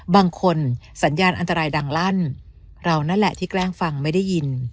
สัญญาณอันตรายดังลั่นเรานั่นแหละที่แกล้งฟังไม่ได้ยิน